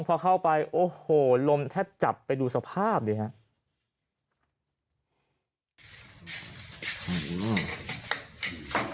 พอเข้าไปโอ้โหลมแทบจับไปดูสภาพดิครับ